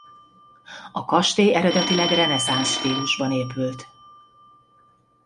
A kastély eredetileg reneszánsz stílusban épült.